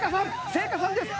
聖夏さんです！